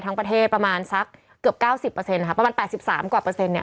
ทั้งประเทศประมาณสักเกือบ๙๐ประมาณ๘๓กว่าเปอร์เซ็นต์